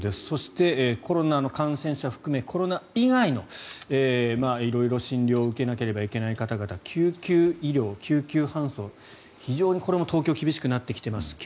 そしてコロナの感染者含めコロナ以外の色々、診療を受けなければいけない方々救急医療、救急搬送非常にこれも東京は厳しくなってきます。